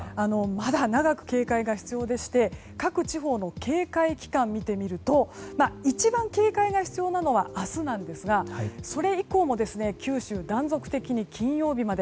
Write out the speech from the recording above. まだ長く警戒が必要でして各地方の警戒期間を見てみると一番警戒が必要なのは明日なんですが、それ以降も九州は断続的に金曜日まで。